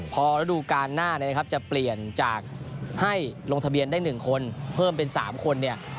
พอระดูการหน้านะครับจะเปลี่ยนจากให้ลงทะเบียนได้๑คนเพิ่มเป็น๓คนเนี่ย